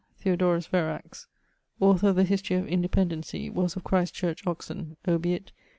('Theodorus Verax'), author of the History of Independency, was of Christ Church, Oxon. Obiit